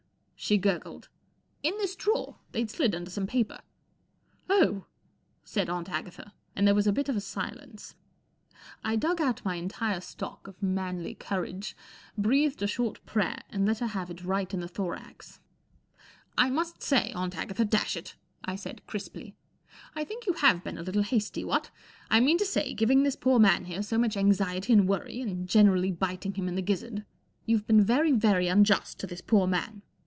" she gur¬ gled. p In this drawer* They'd slid under some paper/' Oh !" said Aunt Agatha, and there was a bit of a silence. 1 dug out my entire stock of manly courage, breathed a short prayer, and let her have it right in the thorax. ■'I must say, Agatha, dash it," I said, crisply, " I think y o u have been a little hasty, what ? I mean to say, giving this poor man here so much anxiety and worry and gene¬ rally biting him in the gizzard. You've been very, very unjust to this poor man